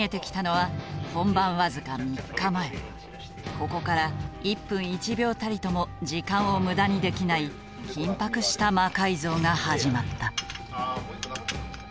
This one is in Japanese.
ここから１分１秒たりとも時間を無駄にできない緊迫した魔改造が始まった。